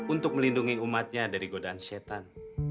untuk melindungi umatnya dari godaan setan